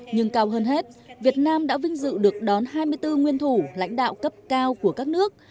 nhưng cao hơn hết việt nam đã vinh dự được đón hai mươi bốn nguyên thủ lãnh đạo cấp cao của các nước